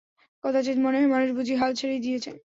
কদাচিৎ মনে হয় মানুষ বুঝি হাল ছেড়েই দিয়েছে।